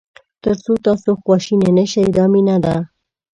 تر څو تاسو خواشینی نه شئ دا مینه ده.